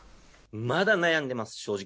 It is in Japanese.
まだ悩んでます、正直。